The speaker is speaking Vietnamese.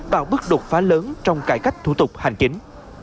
bảo bức đột phá lớn trong cải cách thủ tục hành chính